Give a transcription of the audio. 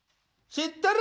知ってる？